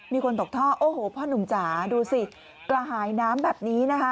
มีคนตกท่อโอ้โหพ่อหนุ่มจ๋าดูสิกระหายน้ำแบบนี้นะคะ